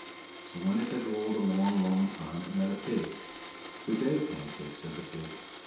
So when it had rolled a long, long time, it met a pig. "Good day, Pancake," said the pig.